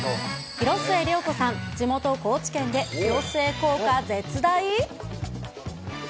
広末涼子さん、地元、高知県でヒロスエ効果絶大。